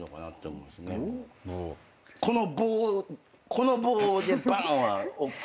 この棒でバン！はＯＫ。